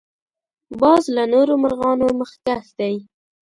باز له نورو مرغانو مخکښ دی